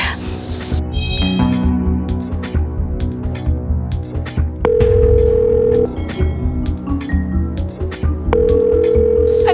aku mau ke sana